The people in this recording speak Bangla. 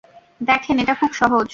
দেখেন এটা খুব সহজ।